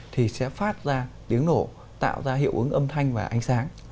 thì sẽ phát ra tiếng nổ tạo ra hiệu ứng âm thanh và ánh sáng